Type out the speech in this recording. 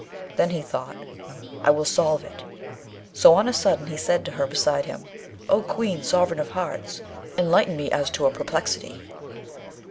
Then he thought, 'I will solve it!' So, on a sudden he said to her beside him, 'O Queen, sovereign of hearts! enlighten me as to a perplexity.'